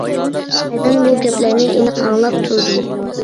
مەن بۇ گەپلەرنى ئېنىق ئاڭلاپ تۇردۇم.